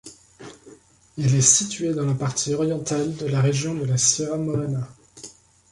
Il est situé dans la partie orientale de la région de la Sierra Morena.